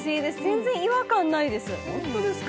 全然違和感ないです